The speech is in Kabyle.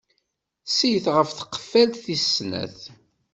Sit ɣef tqeffalt tis snat.